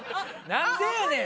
何でやねん！